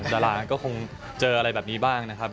ดาราก็คงเจออะไรแบบนี้บ้างนะครับ